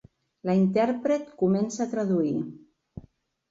La intèrpret comença a traduir.